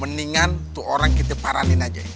mendingan tuh orang kita paranin aja